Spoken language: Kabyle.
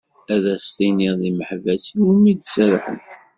Ad as-tiniḍ d imeḥbas iwumi d-serḥen.